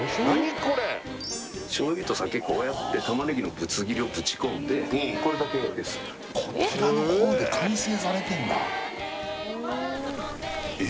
これ醤油と酒こうやって玉ねぎのぶつ切りをぶち込んでこれだけですこちらのほうで完成されてんだえ